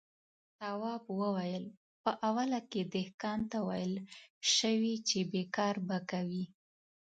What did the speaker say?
تواب وويل: په اوله کې دهقان ته ويل شوي چې بېګار به کوي.